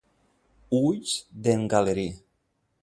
Ulls d'en Galerí.